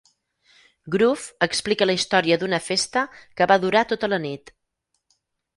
"Groove" explica la història d'una festa que va durar tota la nit.